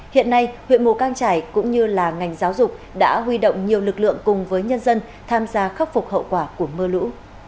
hiện nay huyện mù cang trải cũng như là ngành giáo dục đã huy động nhiều lực lượng cùng với nhân dân tham gia khắc phục hậu quả của mưa lũ